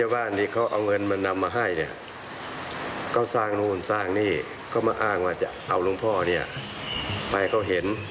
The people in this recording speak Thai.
ให้เขาเห็นจะไปโชว์ให้เขาเห็น